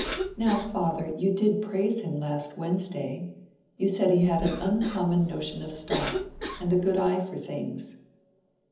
"Now, father, you did praise him last Wednesday. You said he had an uncommon notion of stock, and a good eye for things."